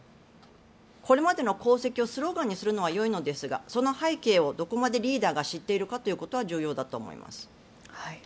これまでの功績をスローガンにするのはよいのですがその背景をどこまでリーダーが知っているかっていうのは重要だと思います。